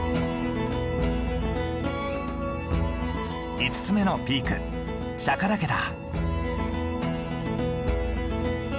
５つ目のピーク釈岳だ。